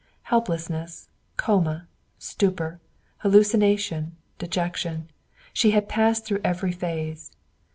Helplessness, coma, stupor, hallucination, dejection; she had passed through every phase.